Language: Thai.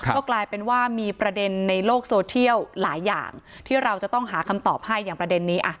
ก็กลายเป็นว่ามีประเด็นในโลกโซเทียลหลายอย่างที่เราจะต้องหาคำตอบให้อย่างประเด็นนี้